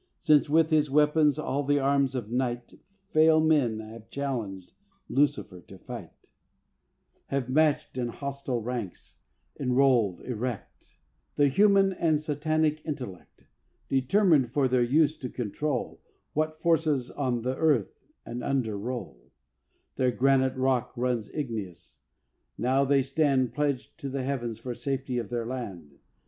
Since with his weapons, all the arms of Night, Frail men have challenged Lucifer to fight, Have matched in hostile ranks, enrolled, erect, The human and Satanic intellect, Determined for their uses to control What forces on the earth and under roll, Their granite rock runs igneous; now they stand Pledged to the heavens for safety of their land.